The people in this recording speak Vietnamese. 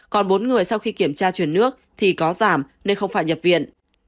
còn bốn người sau khi kiểm tra chuyển nước thì có giảm nên không phải nhập viện